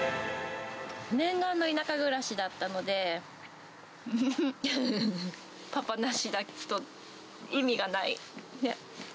念願の田舎暮らしだったので、パパなしだと意味がない。ね？